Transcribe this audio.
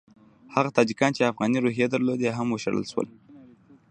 هغه تاجکان چې افغاني روحیې درلودې هم وشړل شول.